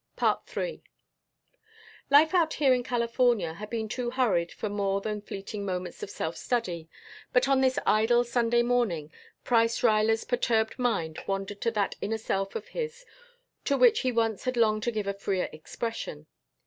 III Life out here in California had been too hurried for more than fleeting moments of self study, but on this idle Sunday morning Price Ruyler's perturbed mind wandered to that inner self of his to which he once had longed to give a freer expression.